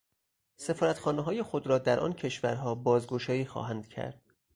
سفارتخانههای خود را در آن کشورها بازگشایی خواهند کرد.